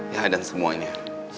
ya dan semuanya